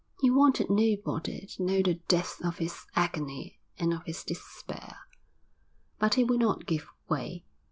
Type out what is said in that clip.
He wanted nobody to know the depths of his agony and of his despair. But he would not give way.